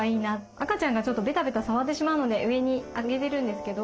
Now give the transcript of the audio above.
赤ちゃんがベタベタ触ってしまうので上に上げてるんですけど。